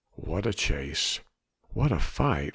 What a chase! what a fight!